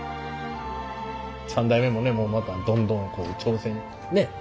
３代目もねまたどんどんこう挑戦ねっ？